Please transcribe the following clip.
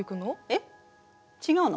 えっ違うの？